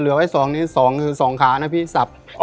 เหลือไว้๒นี่๒คือ๒ขานะพี่สับ